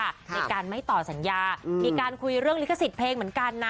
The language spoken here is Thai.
ในการไม่ต่อสัญญามีการคุยเรื่องลิขสิทธิ์เพลงเหมือนกันนะ